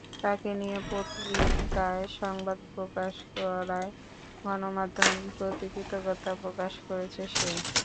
তাকে নিয়ে পত্রিকায় সংবাদ প্রকাশ করায় গণমাধ্যমের প্রতি কৃতজ্ঞতা প্রকাশ করেছে সে।